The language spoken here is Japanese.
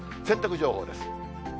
洗濯情報です。